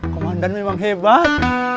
komandan memang hebat